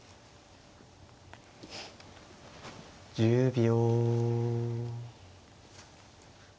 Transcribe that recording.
１０秒。